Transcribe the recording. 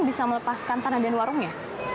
bisa melepaskan tanah dan warungnya